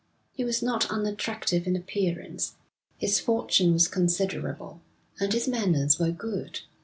He was not unattractive in appearance, his fortune was considerable, and his manners were good.